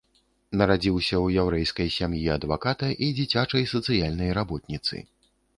Нарадзіўся ў яўрэйскай сям'і адваката і дзіцячай сацыяльнай работніцы.